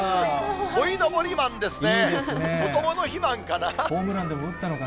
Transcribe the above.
こいのぼりマンですね。